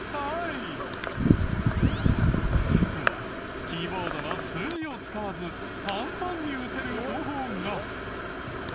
実はキーボードの数字を使わず簡単に打てる方法が。